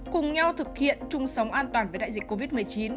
cùng nhau thực hiện chung sống an toàn với đại dịch covid một mươi chín